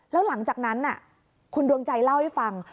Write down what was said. แล้วหลังจากนั้นคุณดวงใจเล่าให้ฟัง